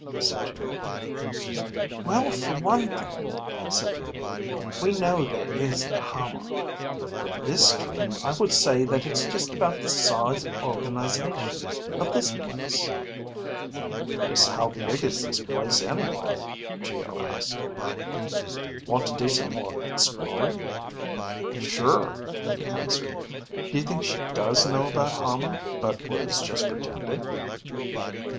said Geo. "Well, for one thing," said Iimmi, "we know there is a Hama. From the dream I would say that it's just about the size and organization of this place." "Just how big is this place anyway?" Geo asked. "Want to do some more exploring?" "Sure," he answered. "Do you think she does know about Hama but was just pretending?"